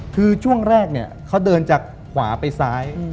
คือช่วงแรกเนี่ยเขาเดินจากขวาไปซ้าย